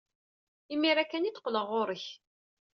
Imir-a kan ad d-qqleɣ ɣer-k.